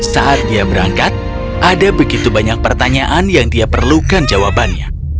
saat dia berangkat ada begitu banyak pertanyaan yang dia perlukan jawabannya